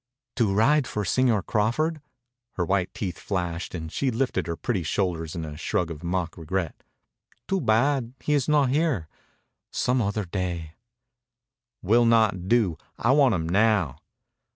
"To ride for Señor Crawford." Her white teeth flashed and she lifted her pretty shoulders in a shrug of mock regret. "Too bad he is not here. Some other day "" will not do. I want him now."